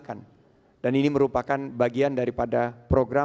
mitra hilal ini memiliki dunia amplo dengan dua puluh hawaii pola berkontstoff